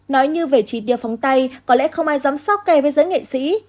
nói như về chi tiêu phóng tay có lẽ không ai dám so kè với giới nghệ sĩ